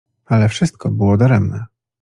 Ale wszystko było daremne.